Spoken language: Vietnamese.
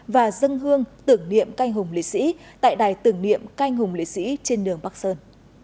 và dân hương tưởng niệm canh hùng lễ sĩ tại đài tưởng niệm canh hùng lễ sĩ trên đường bắc sơn